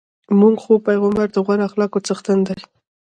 زموږ خوږ پیغمبر د غوره اخلاقو څښتن دی.